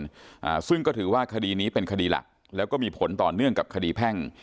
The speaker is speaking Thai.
อ่าซึ่งก็ถือว่าคดีนี้เป็นคดีหลักแล้วก็มีผลต่อเนื่องกับคดีแพ่ง